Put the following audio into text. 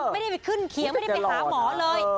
ไม่ได้ไปขึ้นเคียงไม่ได้ไปหาหมอเลย